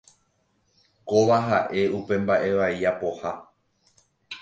Kóva ha'e upe mba'e vai apoha.